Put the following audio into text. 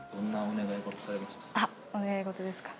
あっお願い事ですか。